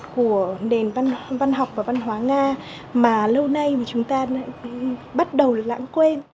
của nền văn học và văn hóa nga mà lâu nay chúng ta đã bắt đầu lãng quên